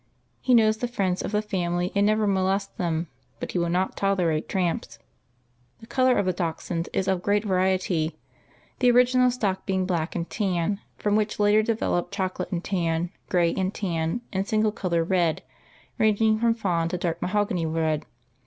He knows the friends of the family and never molests them, but he will not tolerate tramps. The color of the Dachshund is of great variety, the original stock being black and tan, from which later developed chocolate and tan, gray and tan and single color red, ranging from fawn to dark mahogany red.